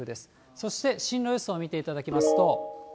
そして進路予想を見ていただきますと。